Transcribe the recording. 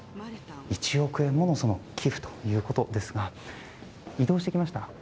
１億円もの寄付ということですが移動してきました。